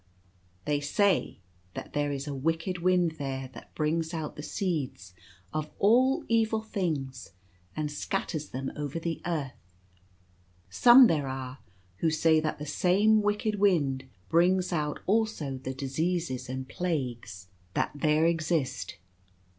They say that there is a wicked wind there that brings out the seeds of all evil things and scatters them over the earth. Some there are who say that the same wicked wind brings out also the Diseases and Plagues that there 6 Change in the Land. exist.